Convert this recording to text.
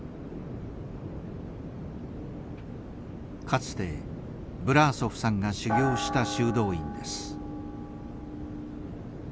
かつてブラーソフさんが修行した修道院です。